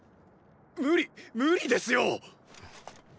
無理ッ無理ですよッ！！